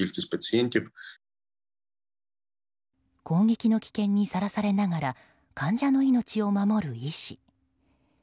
攻撃の危険にさらされながら患者の命を守る医師。